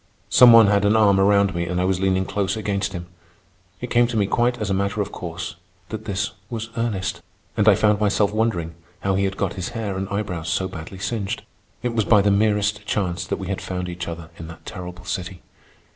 Some one had an arm around me and I was leaning close against him. It came to me quite as a matter of course that this was Ernest, and I found myself wondering how he had got his hair and eyebrows so badly singed. It was by the merest chance that we had found each other in that terrible city.